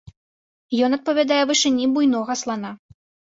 Ён адпавядае вышыні буйнога слана.